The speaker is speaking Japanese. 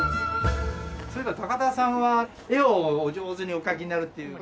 そういえば高田さんは絵をお上手にお描きになるっていう。